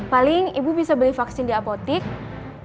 paling ibu bisa beli vaksin di apotek